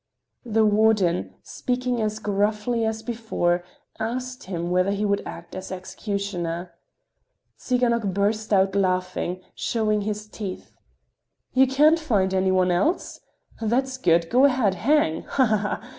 The warden, speaking as gruffly as before, asked him whether he would act as executioner. Tsiganok burst out laughing, showing his teeth. "You can't find any one else? That's good! Go ahead, hang! Ha! ha! ha!